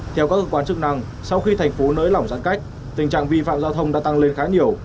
theo các cơ quan chức năng sau khi thành phố nới lỏng giãn cách tình trạng vi phạm giao thông đã tăng lên khá nhiều